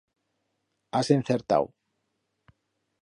Has encertau.